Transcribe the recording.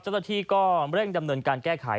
เจ้าหน้าที่ก็เร่งดำเนินการแก้ไข